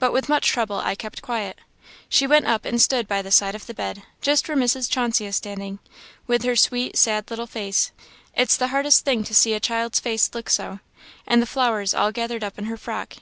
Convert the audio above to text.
but with much trouble I kept quiet. She went up and stood by the side of the bed, just where Mrs. Chauncey is standing, with her sweet, sad, little face it's the hardest thing to see a child's face look so and the flowers all gathered up in her frock.